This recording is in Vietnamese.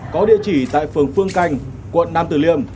có địa chỉ tại phường phương canh quận nam tử liêm